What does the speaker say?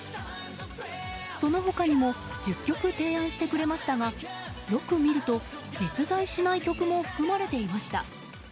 その他にも１０曲提案してくれましたがよく見ると、実在しない曲も含まれていました。